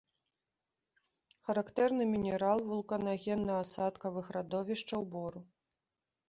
Характэрны мінерал вулканагенна-асадкавых радовішчаў бору.